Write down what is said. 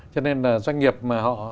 cho nên là doanh nghiệp mà họ